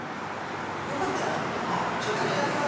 よかったら中ご覧ください。